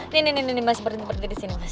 nih nih nih mas berdiri berdiri di sini mas